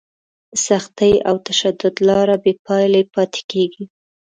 د سختي او تشدد لاره بې پایلې پاتې کېږي.